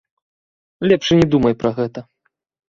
Лепш і не думай пра гэта.